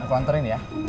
aku anterin ya